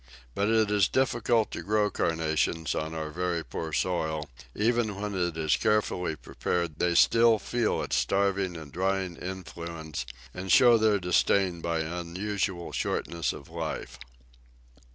But it is difficult to grow Carnations on our very poor soil; even when it is carefully prepared they still feel its starving and drying influence, and show their distaste by unusual shortness of life.